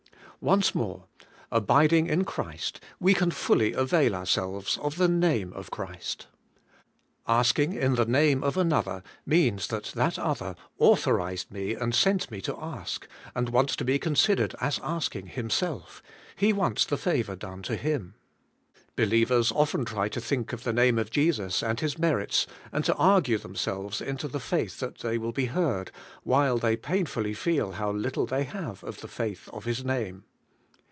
Once more: Abiding in Christ, we can fully avail so WILL YOU HAVE POWER IN PRAYER. 161 ourselves of the name of Christ. Asking in the name of another means that that other authorized me and sent me to ask, and wants to be considered as asking himself: he wants the favour done to him. Believers often try to think of the name of Jesus and His merits, and to argue themselves into the faith that they will be heard, while they painfully feel how little they have of the faith of His name.